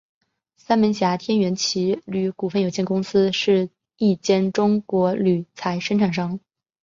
三门峡天元铝业股份有限公司是一间中国铝材生产商。